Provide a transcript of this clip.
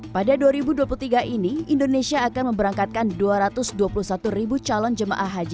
pada dua ribu dua puluh tiga ini indonesia akan memberangkatkan rp dua ratus dua puluh satu